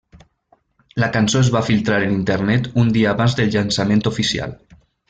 La cançó es va filtrar en Internet un dia abans del llançament oficial.